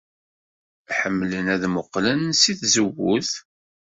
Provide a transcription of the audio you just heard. Ḥemmlen ad mmuqqlen seg tzewwut.